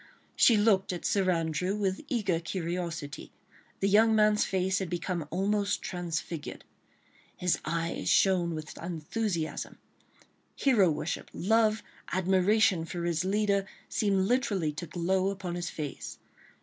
She looked at Sir Andrew with eager curiosity. The young man's face had become almost transfigured. His eyes shone with enthusiasm; hero worship, love, admiration for his leader seemed literally to glow upon his face.